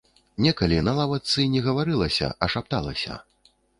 Некалі на лавачцы не гаварылася, а шапталася.